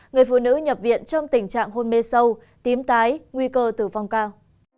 người phụ nữ nhập viện trong tình trạng hôn mê sâu tím tái nguy cơ tử vong cao